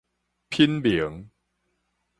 品明